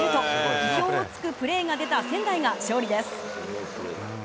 意表をつくプレーが出た仙台が勝利です。